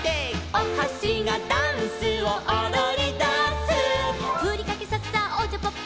「おはしがダンスをおどりだす」「ふりかけさっさおちゃぱっぱ」